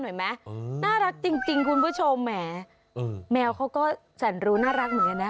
หน่อยไหมน่ารักจริงคุณผู้ชมแหมแมวเขาก็แสนรู้น่ารักเหมือนกันนะ